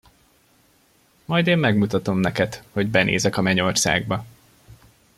Majd én megmutatom neked, hogy benézek a mennyországba!